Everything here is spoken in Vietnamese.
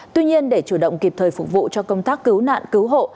tuy nhiên để chủ động kịp thời phục vụ cho công tác cứu nạn cứu hộ